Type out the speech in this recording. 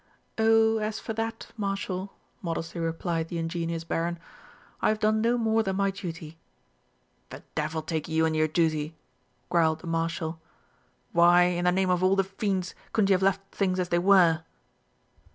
"Oh, as for that, Marshal," modestly replied the ingenuous Baron, "I have done no more than my duty." "The devil take you and your duty," growled the Marshal. "Why, in the name of all the fiends, couldn't you have left things as they were?"